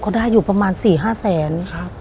ได้อยู่ประมาณ๔๕แสน